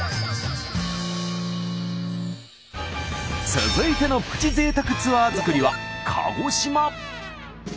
続いてのプチ贅沢ツアー作りは鹿児島。